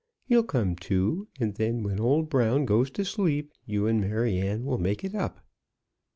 You'll come too; and then, when old Brown goes to sleep, you and Maryanne will make it up."